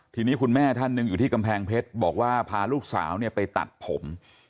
ทีนี้คุณแม่ท่านหนึ่งอยู่ที่กำแพงเพชรบอกว่าพาลูกสาวเนี่ยไปตัดผม